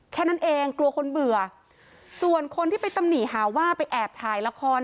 แค่นั้นเองกลัวคนเบื่อส่วนคนที่ไปตำหนิหาว่าไปแอบถ่ายละคร